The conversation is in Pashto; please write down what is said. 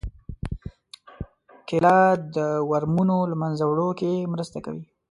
کېله د ورمونو له منځه وړو کې مرسته کوي.